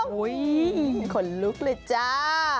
โอ้ยคนลุกเลยจ้า